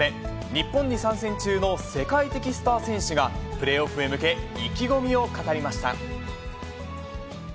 日本に参戦中の世界的スター選手が、プレーオフへ向け、意気込みを語りました。